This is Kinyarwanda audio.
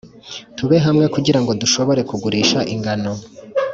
tube hamwe kugira ngo dushobore kugurisha ingano,